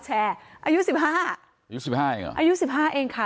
อายุ๑๕อายุ๑๕เองค่ะ